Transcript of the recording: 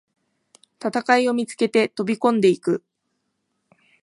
戦いを見つけて飛びこんでいく